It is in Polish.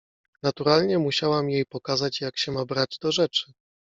Naturalnie musiałam jej pokazać, jak się ma brać do rzeczy.